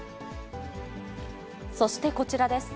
そしてこちらです。